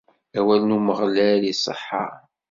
Awal n Umeɣlal iṣeḥḥa.